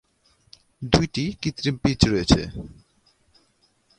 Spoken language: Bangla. দুইটি কৃত্রিম পীচ রয়েছে।